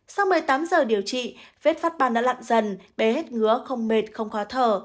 sau một mươi tám giờ điều trị vết phát ban đã lặn dần bé hết ngứa không mệt không khó thở